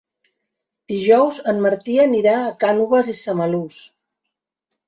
Dijous en Martí anirà a Cànoves i Samalús.